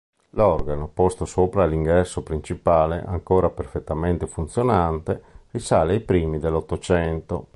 L'organo posto sopra l'ingresso principale, ancora perfettamente funzionante, risale ai primi dell'Ottocento.